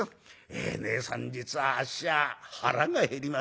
『ええねえさん実はあっしは腹が減りまして』」。